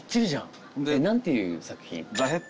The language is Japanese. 何ていう作品？